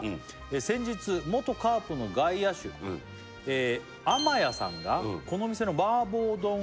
「先日元カープの外野手」「天谷さんがこの店の麻婆丼を」